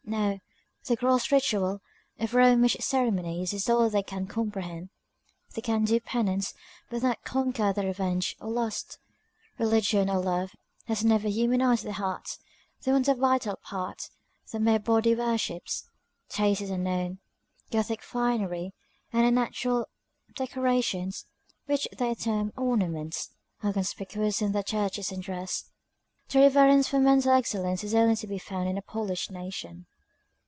No, the gross ritual of Romish ceremonies is all they can comprehend: they can do penance, but not conquer their revenge, or lust. Religion, or love, has never humanized their hearts; they want the vital part; the mere body worships. Taste is unknown; Gothic finery, and unnatural decorations, which they term ornaments, are conspicuous in their churches and dress. Reverence for mental excellence is only to be found in a polished nation.